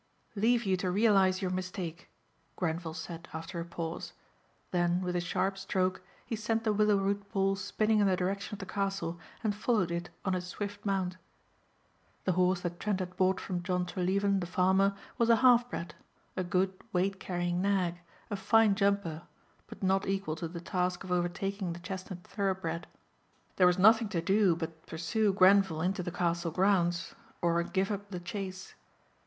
"Leave you to realize your mistake," Grenvil said after a pause. Then with a sharp stroke he sent the willow root ball spinning in the direction of the castle, and followed it on his swift mount. The horse that Trent had bought from John Treleaven the farmer was a half bred, a good, weight carrying nag, a fine jumper, but not equal to the task of overtaking the chestnut thoroughbred. There was nothing to do but pursue Grenvil into the castle grounds or give up the chase.